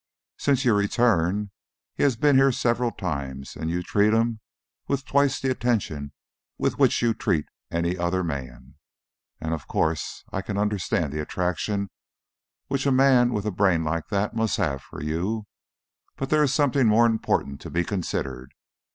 Since your return he has been here several times, and you treat him with twice the attention with which you treat any other man. Of course I can understand the attraction which a man with a brain like that must have for you, but there is something more important to be considered.